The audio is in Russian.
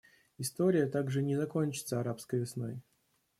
История также не закончится «арабской весной».